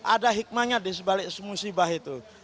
ada hikmahnya di sebalik musibah itu